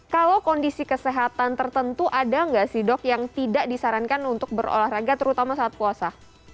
kalau kondisi kesehatan tertentu ada nggak sih dok yang tidak disarankan untuk berolahraga terutama saat puasa